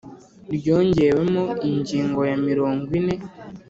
ryongewemo ingingo ya mirongo ine